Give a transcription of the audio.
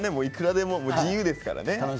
いくらでももう自由ですからね。